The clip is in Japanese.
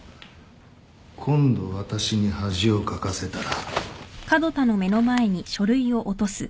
今度私に恥をかかせたら。